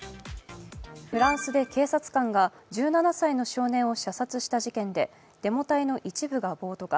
フランスで警察官が１７歳の少年を射殺した事件でデモ隊の一部が暴徒化。